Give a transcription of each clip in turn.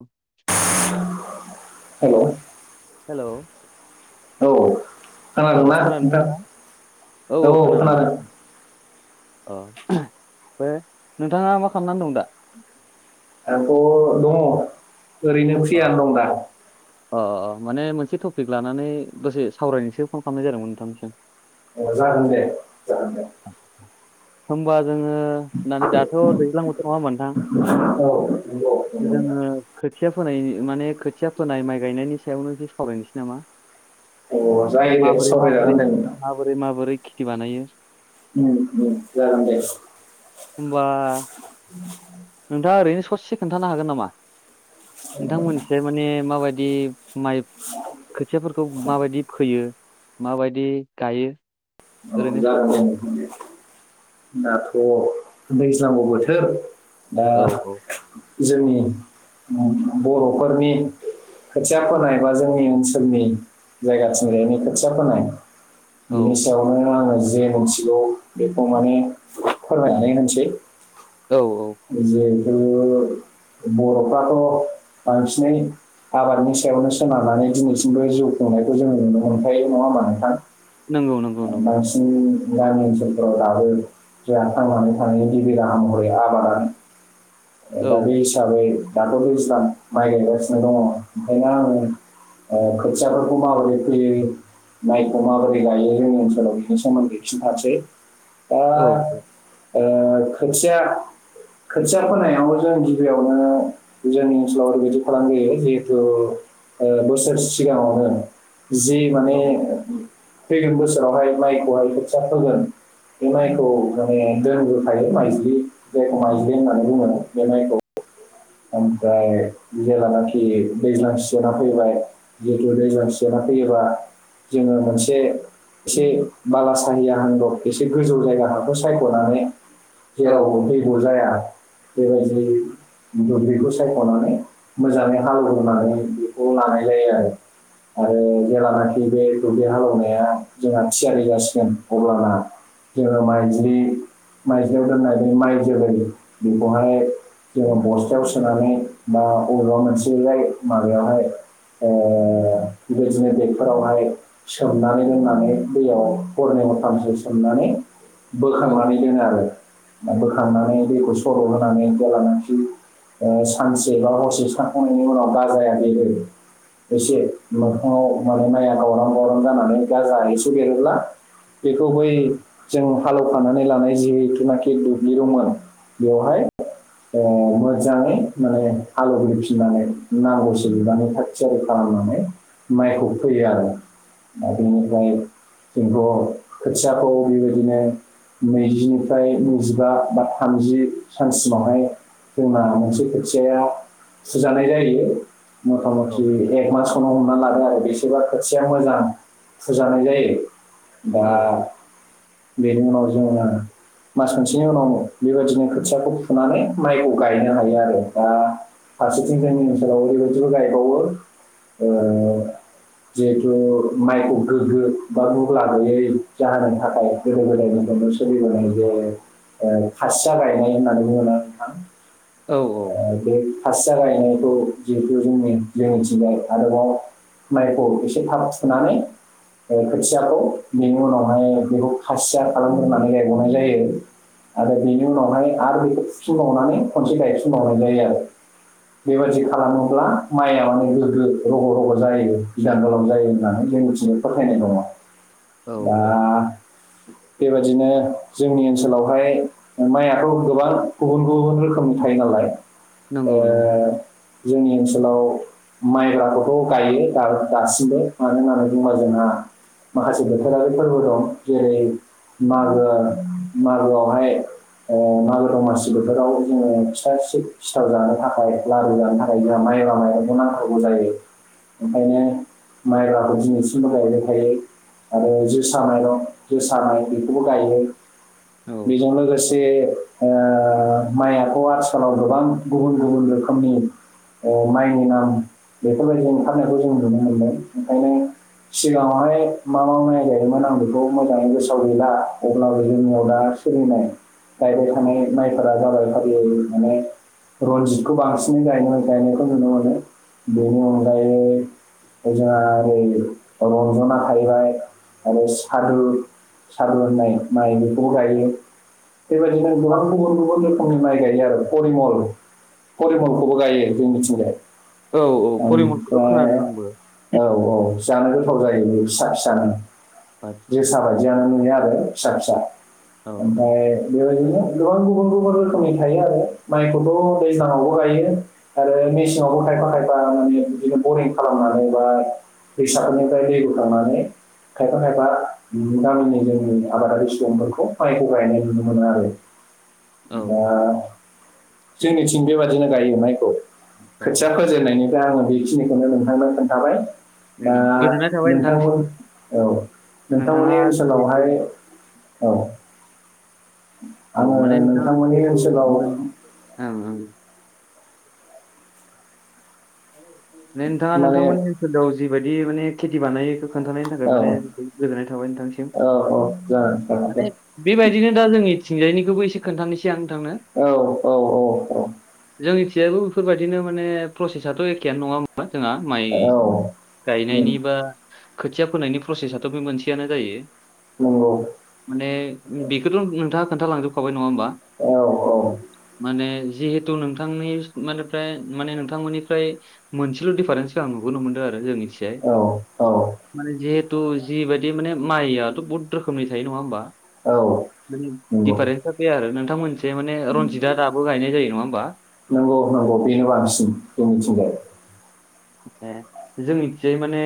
औ [unintelligible] हेल' [unintelligible] हेल'। औ खोनादोंनाा नोंथां औ खोनादों [unintelligible] अ एहे बे नोंथाङा मा खालामनानै दं दा। आंथ दङ ओरैनो फ्रियानो दं दा। अ अ अ माने मोनसे टपिक लानानै दसे सावरायनोसो फन खालामनाय जादोंमोन नोंथांसिम। अ जागोन दे जागोन दे। होमबा जोङो होन्नानै दाथ' दैज्लां बोथोर नङा ओमबा नोंथां। औ नंगौ नंगौ नोंथां जोंङो खोथिया फोनाय माने। खोथिया फोनाय माइ गायनायनि सायावनो एसे सावरायनोसै नामा। अ माने जायो दे माबोरै माबोरै सावरायजागोन दे नोंथां माबोरै माबोरै खिथि बानायो। जार दे होमबा [unintelligible] नोंथाङा ओरैनो ससे खोन्थानो हागोन नामा नोंथांमोनखैजाय माने माबायदि। माइब खोथियाफोरखौ माबायदि फोयो माबायदि गायो। औ ओरैनो ससे जागोनदे नोंथां दे दाथ'। दैज्लांबो बोथोर दा। औ जोंनि मुल्खं बर'फोरनि। खोथिया फोनाय बा जोंनि ओनसोलनि जायगाथिंजायनो खोथिया फोनाय [unintelligible] औ बि [unintelligible] आङो जे मिथिगौ बेखौ माने फोरमायनानै होनसै [unintelligible] औ औ जिहेथु बर'फ्राथ' बांसिनै [unintelligible] आबादनि सायावनो सोनारनानै दिनैसिमबो जिउ खुंनायखौ जोंङो नुनो मोनखायो नङा ओमबा नोंथां। नंगौ नंगौ नंगौ बांसिन [unintelligible] गामि ओनसोलफोराव दाबो जोंहा थांनानै थानायनि गिबि राहा महरै आबादानो। औ दा बे हिसाबै दाथ' बेसेबां माइ गायगासिनो दङ ओंखायनो आङो [unintelligible] ओ खोथियाफोरखौ माबोरै फैयो माइखौ माबोरै गायो जो ाव बिनि सोमोन्दै खिन्थासै दा औ औ [unintelligible] ओ खोथिया। खोथिया फोनायावबो जों गिबियावनो जोंनि ओनसोलाव ओरैबायदि खालाम बोयो जिहेथु। ओ बोसोर सिगांङावनो जि माने औ फैगोन बोसो जेरावहाय माइखौहाय खोथिया फोगोन। बे माइखौ माने दोनबोखायो माइज्लि जायखौ माइज्लि होननानै बुङो बे माइखौ [unintelligible] ओमफाय जेलानाखि दैज्लां सिजेना फैबाय जिहेतु दैज्लां सि फैयोबा जोङो मोनसे [unintelligible] एसे बालासाहिया होनगाव एसे गोजौ जायगाफोरखौ सायख'नानै [unintelligible] औ जेराव फैगौ जाया बेबायदि [unintelligible] बेखौ सायख'नानै मोजाङै हालेव होनोनानै बेखौ लानाय जायो आरो आरो जेलानाखि बे दलि हालवनाया जोंहा थियारि जासिगोन अब्लाना जोङो माइज्रि माइजलियाव दोननानैनायनि माइ जोलै बेखौहाय जोङो बस्थायाव सोनानै बा अबेा मोनसेलाय माबायावहाय ओ बेबायदिनो बेगफोरावहाय सोमनानै लोंनानै दैयाव हरनै हरथामसो सोमनानै औ बोखांनानै दोनो आरो थांनानै दैखौ सर' होनानै जेलानखि ओ सानसे बा हसे सोमखांनायनि उनाव गाजाया बेरो एसे मोखाङाव माने माइया गावराम गावरां जानानै गाजा एसु देरोब्ला बेखौ बै जों हालौफानानै लानाय जिहेथुनाखि दुब्लियावमोन बेवहाय ओ मोजाङै माने हालौवगै फिनानै नांगौसो बिबनानै थाख थियारि खालाम [inaudible] माइखौबो फैयो आरो आरो बेनिफ्राय जोंथ' खोथियाखौ बेबायदिनो नैजिनिफ्राय नैजिबा बा थामजि सानसे समावहाय जोंना मोनसे खोथियाया फुजानाय जायो। मथा मथि एक मासखौनो हमना लादो। बिसेबा खोथिया मोजां फुजानाय जायो दा औ बेनि उनाव जोङो मास मोनसेनि उनाव बेबायदिनो खोथियाखौ फुनानै माइखौ गायनो हायो आरो दा फारसेथिं जोंनि ओनसोलाव ओरैबायदिबो गायबावो जिहेथु माइखौ गोग्गो बा मुला गैयै जाहोननि थाखाय गोदो गोदायनि नो सोलिबोनाय जे खासिया गायनाय होननानै बुङोना नोंथां औ औ ओ, बे खासिया गायनायखौ जिहेथु जोंनि जों मिथिंबाय आरोबाव माइखौ एसे थाब फुनानै खोथियाखौ बेनि उनावहाय बेखौ खासिया खालाम होननानै गायबावनाय जायो। आरो बेनि उनावहाय आरो बेखौ फुुफिनबावनानै खनसे गाय फिनबावनाय जायो आरो बेबायदि खालामोब्ला माइया माने गोग्गो रग' रग' जायो गोदान गोलाव जायो होननानै जों मिथिनो फोथायनाय दङ औ दा औ बेबायदिनो जोंनि ओनसोलावहाय माइयाथ' गोबां गुबुन गुबुन रोखोमनि थायो नालाय ओ नंगौ नंगौ जोंनि ओनसोलाव माइब्राखौथ' गायो दासिमबो मानो होननानै बुंङोबा जोंहा माखासे बोथोरारि फोरबो दं जेरै मागो मागोआवहाय मागो दंमासि [unintelligible] बोथोराव जोङो फिथा सिथाव जानो थाखाय लारु जानो थाखाय जोंहा माइब्रा माइरंखौ नांथारगौ जायो। [unintelligible] ओंखायनो माइब्राखौ दिनैसिमबो गायबाय थायो आरो जोसा माइरं जोसा माय बेखौबो गायो। औ बेजों लोगोसे ओ ओ माइ आथ' आथिखालाव गोबां गुबुन गुबुन रोखोमनि ओ माइनि नाम बेफोरबायदि ओंखारनायखौ जों नुनो मोनदों ओंखायनो सिगाङावहाय मा मा माइ गायोमोन आं बेखौ मोजाङै गोसोआव गैला अब्लाबो जोंनियाव दा सोलिनाय गायबाय औ थानाय माइफोरा जाबाय थारि माने रनजितखौ बांसिनै गाय गायनायखौ नुनो मोनो बेनि अनगायै जोंहा ओरै रन्जना थाहैबाय आरो सादु सारदु होननाय माइ बेखौबो गायो बेबायदिनो गोबां गुबुन गुबुन रोखोमनि माइ गायो आरो फरिमल परिमलखौबो गायो जोंनिथिंजाय औ औ फरिमलखौथ' ओमफ्राय खोनादों आंबो औ औ जानो गोथाव जायो बे फिसा फिसानो आथि जोसा बायदियानो नुयो आरो फिसा फिसा औ ओमफ्राय बेबादिनो गोबां गुबुन गुबुन रोखोमनि थायो आरो माइखौथ' दैज्लां आवबो गायो आरो मेसेङावबो गाय खायफा खायफा माने बिदिनो बरिं खालामनानै बा दैसाफोरनिफ्राय दै बोखांनानै खायफा खायफा गामिनि जोंनि आबादारि सुबुंफोरखौ माइखौ गायनाय नुनो मोनो आरो औ दा जोंनिथिं बेबादिनो गायो माइखौ औ खोथिया फोजायनायनिफ्राय आङो बेखिनिखौनो नोंथांनो खोन्थाबाय। दा उम, गोजोननाय थाबाय नोंथांसिम नोंथांमोन औ नोंथाङा नोंथांमोननि जिहेथु ओनसोलावहाय औ औ आङो माने नोंथाङा नोंथांमोननि जिहेथु ओनसोलाव ओं ओं माने दे नोंथाङा माने नोंथांमोननि ओनसोलाव जिबायदि माने खेथि बानाय खोन्थानायनि थाखाय औ माने गोजोननाय थाबाय नोंथांसिम औ औ जागोन जागोन दे माने बेबायदिनो दा जोंनिथिंजायनिखौबो एसे खोन्थानिसै औ औ औ [unintelligible] जेबो बेफोरबायदिनो माने प्रसेसाथ' एखेयानो नङा हमबा जोंहा माइ औ उम, गायनायनि बा खोथिया फोनायनि प्रसेसाथ' बे मोनसेयानो जायो। नंगौ माने बेखौथ' नोंथाङा खोन्थालांजोबखाबाय। नङाबा औ माने जिहेथु नोंथांनि माने माने नोंथांमोननि मफ्राय मोनसेल' दिडफारेन्सखौ आं नुुबोनो मोनदों आरो जोंनि सियाय औ औ माने जि द जिबादि माने माइआथ' बहुत रोखोमनि थायो नङा होमबा औ माने दिफारेन्स गैया आरो नोंथां मोनसे नांगौ नांगौपिनो बानसि [unintelligible] ए जोंनिथियाय माने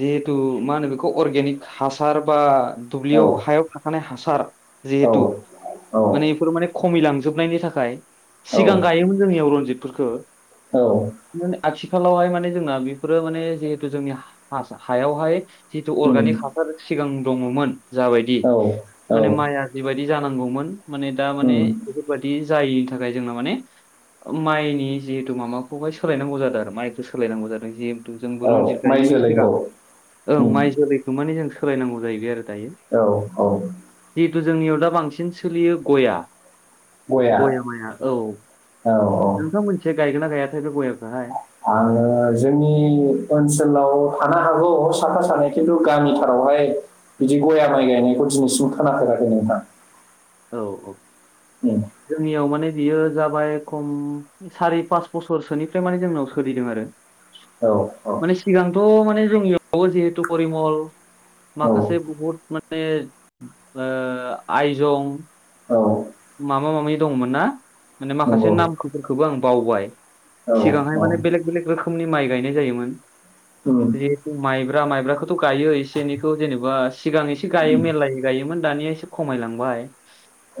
जिहेथु मा होनो बेखौ अर्गेनिक हासार बा औ दुब्लियाव हायाव थाखानाय हासार औ जिहेथु औ माने बेफोर माने खमिलांजोबनायनि थाखाय औ सिगां गायोमोन जोंनियाव रन्जितफोरखो औ आथिखालावहाय माने जोंना बेफोरो माने जिहेतु जोंनि हासा हायावहाय जितु अर्गानिक उम, हासार सिगां दङमोन जाबायदि औ माने औ माइआ जिबायदि जानांगौमोन माने दा माने उम बेफोरबायदि जायैनि थाखाय जोंना माने माइनि जिहेतु माबाखौाय सोलायनांगौ जादों आरो माइखौ सोलायनांगौ जादों जिहेतु जोंबो औ रनजित माइ गायोमोन जोलैखौ सिगां ओं उम माइ जोलैखौ माने जों सोलायनांगौ जाहैबाय आरो दायो औ औ जिहेथु जोंनियाव दा बांसिन सोलियो गया गया गयामाया औ औ औ नोंथां मोनसे गायगोना गायाथाय बे गयाखोहाय ओ जोंनि ओनसोलाव थानो हागौ साफा सानै खिन्थु गामिथारावहाय बिदि गया माइ गायनायखौ दिनैसिम खोनफेराखै नोंथां औ औ उम जोंनियाव माने बियो जाबाय खम सारि पास बोसोरसोनिफ्राय माने जोंनाव सोलिदों आरो औ औ। खौ माने जों जिहेतु फरिमल औ माखासे बहुद माने ओ आयजं औ माबा मामि दंमोन ना माने माखासे नंगौ नामफोर बे खौबो आं बावबाय औ सिगांहाय औ माने बेलेग बेलेग रोखोमनि माइ गायनाय जायोमोन उम जिहेथु माइब्रा माइब्राखौथ' गायो एसे एनैखौ जेनेबा सिगां एसे गायो उम मेरलायै गायोमोन मोन दानिया एसे खमायलांबाय।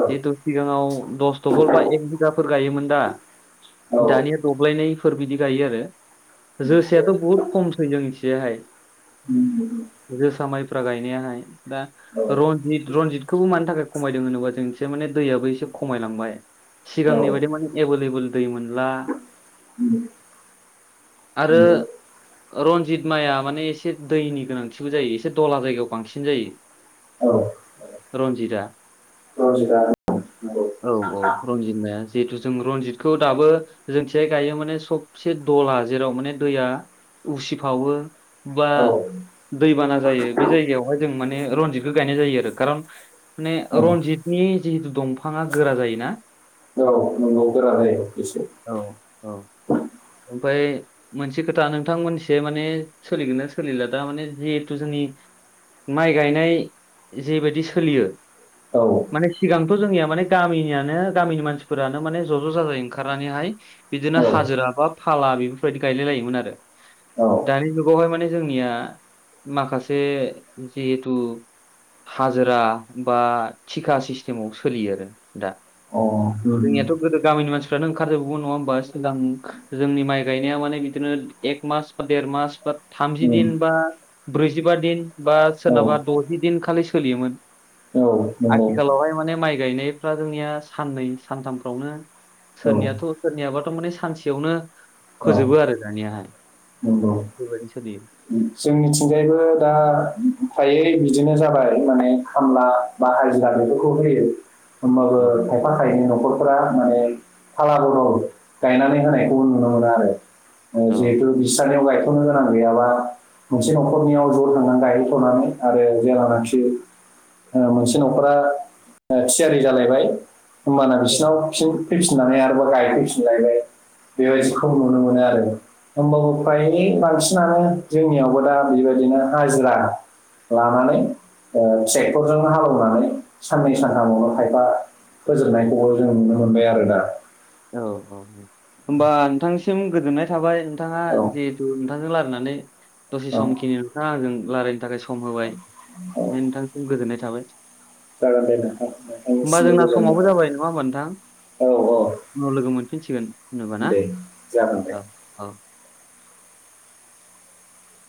औ जिहेथु सिगाङाव दस थहल बा एक बिगाफोर गायोमोन दा। औ दानिया दब्लायनैफोर बिदि गायो आरो। जोसायाथ' बुहुद खमसै जोंनिथिजायहाय। उम फ्रा गायनायाहाय दा औ रनजित रनजितखौबो मानि थाखाय खमायदों होनोबा जोंनिथि एसे माने दैयाबो एसे खमायलांबाय औ सिगांनि बायदि माने एभेलेबोल दै मोनला। उम नंगौ ओ रनजित माइआ माने एसे दैनि गोनांथिबो जायो एसे दला जायगायाव बांसिन जायो। औ औ। रनजिदा [inaudible] रनजित माया जिहेतु जों रनजितखौ दाबो जोंथिजाय गायो माने सबसे दला जेराव माने दैया उसिफावो बा औ दैबाना जायो बे जायगायावहाय जों माने रजितखो गायनाय जायो आरो कारन माने रनजित नि जिहेतु दंफाङा गोरा जायोना। औ नंगौ गोरा जायो‌। औ औ। ओमफाय मोनसे खोथा नोंथांमोननिथिजाय माने सोलिगोना सोलिला दा माने जिहेथु जोंनि माइ गायनाय जेबायदि सोलियो औ माने सिगांथ' जोंनिया माने गामिनियानो गामिनि मानसिफोरानो माने ज' ज' जाजाय ओंखा ओंखारनानैहाय बिदिनो औ हाजिरा बा फाला बेफोरबायदि गायलाय लायोमोन आरो। औ दानि जुगावहाय माने जोंनिया माखासे जिहेथु हाजिरा बा थिखा सिस्टेमाव सोलियो आरो। दा अ उम जोंनियाथ' गोदो गामिनि मानसि फ्रानो ओंखार जोबोमोन नङा होम्बा सिगां जोंनि माइ गायनाया माने बिदिनो एक मास बा देर मास बा थामजि उम दिन बा ब्रैजिबा दिन बा औ सोरनाबा द'जि दिन खालि सोलियोमोन। औ नंगौ आथिखालावहाय माने माइ गायनायफ्रा जोंनिया साननै सानथामफ्रावनो औ सोरनियाथ' औ सोरनियाबाथ' माने सानसेयावनो फोजोबो आरो दानियाहाय। नंगौ बेबायदिनो सोलियो जोंनिथिंजायबो दा फ्रायै बिदिनो जाबाय माने खामला बा हाजिरा बेफोरखौ होयो। होमबाबो औ खायफा खायनै न'खर फोरा माने फाला बदल गायनानै होनायखौबो नुनो मोनो आरो ओ औ जिहेथु बिस्रानियाव गायथ'नो गोनां गैयाबा मोनसे न'खरनियाव ज' थांनानै गायहैथ'नानै आरो जेब्लानिखि ओ मोनसे न'खरा ओ थियारि जालायबाय होमबाना औ बिसिनाव फिन फैफिन फिननानै आरोबाव गायफैफिनलायनाय बेबायदिखौ नुनो मोनो आरो। होमबाबो फ्राय बांसिनानो जोंनियावबो दा बिबायदिनो हाजिरा लानानै ओ ट्रेक्टरजोंनो हालेवनानै साननै सानथामावनो खायफा फोजोबनायखौबो जों नुनो मोनबाय आरो दा। औ औ औ होम्बा नोंथांनिसिम गोजोन्नाय थाबाय नोंथाङा औ जिहेथु नोंथांजों रालायनानै दसे औ समखिनि नोंथाङा आंजों लारायनो थाखाय सम होबाय औ ओमफाय नोंथांनिसिम गोजोन्नाय थाबाय। जागोन दे नोंथां होमबा नोंथांनिसिमबो जोंना गोजाननो समावबो जाबाय नङा होमबा नोंथां हागोन औ औ। उनाव लोगो मोनफिनसिगोन होनोबा ना दे जागोन दे औ औ।